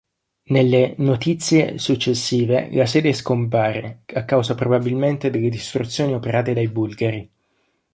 Nelle "Notitiae" successive la sede scompare, a causa probabilmente delle distruzioni operate dai Bulgari.